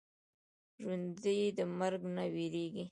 ژوندي د مرګ نه وېرېږي